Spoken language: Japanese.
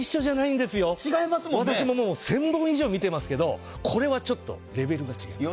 私も１０００本以上見ていますがこれはちょっとレベルが違います。